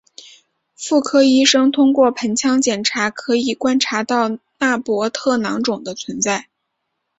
妇科医生通过盆腔检查可以观察到纳博特囊肿的存在。